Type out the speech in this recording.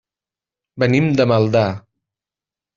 Venim de Maldà.